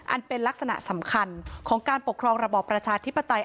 เป็นลักษณะสำคัญของการปกครองระบอบประชาธิปไตย